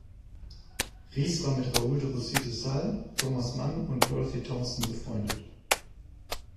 Riess war mit Raoul de Roussy de Sales, Thomas Mann und Dorothy Thompson befreundet.